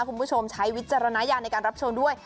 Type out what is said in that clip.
คุณผู้ชมใช้วิจารณญาณในการรับชมด้วย